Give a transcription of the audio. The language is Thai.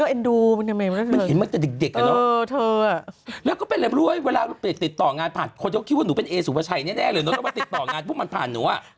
เอสุพชัยแน่หรือต้องมาติดต่องานพวกมันผ่านหนัว